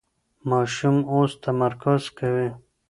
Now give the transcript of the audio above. ماشوم اوس تمرکز کوي.